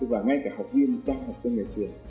và ngay cả học viên đang học trong nhà trường